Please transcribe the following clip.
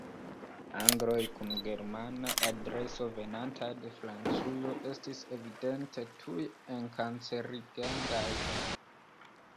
Angloj kun Germana adreso venantaj de Francujo estis evidente tuj enkarcerigendaj.